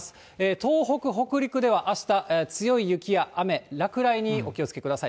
東北、北陸ではあした、強い雪や雨、落雷にお気をつけください。